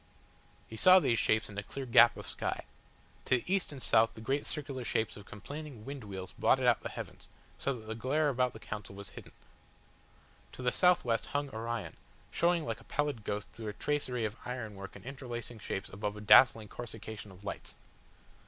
He saw these stars in a clear gap of sky. To the east and south the great circular shapes of complaining wind wheels blotted out the heavens, so that the glare about the Council House was hidden. To the southwest hung Orion, showing like a pallid ghost through a tracery of iron work and interlacing shapes above a dazzling coruscation of lights.